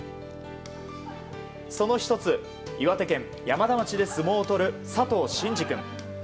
その１つ岩手県山田町で相撲を取る佐藤真士君。